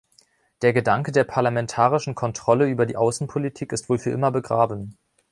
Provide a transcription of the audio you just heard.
Der Gedanke der parlamentarischen Kontrolle über die Außenpolitik ist wohl für immer begraben.